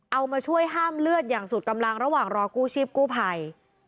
เอามาช่วยห้ามเลือดอย่างสุดกำลังระหว่างรอกู้ชีพกู้ภัย